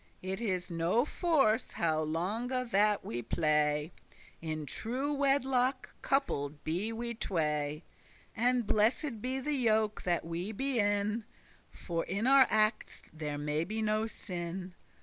It is *no force* how longe that we play; *no matter* In true wedlock coupled be we tway; And blessed be the yoke that we be in, For in our actes may there be no sin.